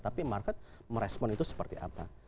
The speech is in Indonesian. tapi market merespon itu seperti apa